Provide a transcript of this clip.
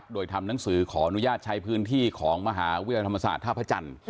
โดยทำหนังสือขออนุญาตใช้พื้นที่ของมหาวิทยาลัยธรรมศาสตร์ท่าพระจันทร์